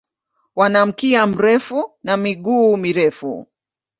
Wana mkia mrefu na miguu mirefu.